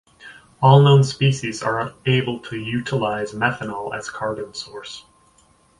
All known species are able to utilize methanol as carbon source.